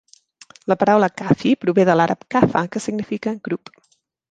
La paraula 'kafi' prové de l'àrab "kafa", que significa grup.